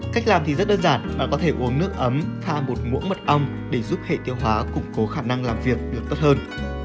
cách làm thì rất đơn giản và có thể uống nước ấm thả một ngũ mật ong để giúp hệ tiêu hóa củng cố khả năng làm việc được tốt hơn